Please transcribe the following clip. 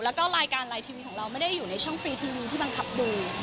แล้วก็รายการอะไรทีวีของเราไม่ได้อยู่ในช่องฟรีทีวีที่บังคับมือ